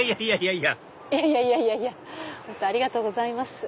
いやいやいやいや本当ありがとうございます。